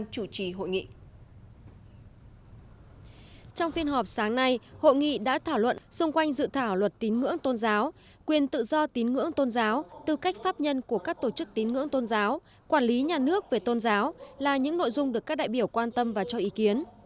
trong phiên họp sáng nay hội nghị đã thảo luận xung quanh dự thảo luật tín ngưỡng tôn giáo quyền tự do tín ngưỡng tôn giáo tư cách pháp nhân của các tổ chức tín ngưỡng tôn giáo quản lý nhà nước về tôn giáo là những nội dung được các đại biểu quan tâm và cho ý kiến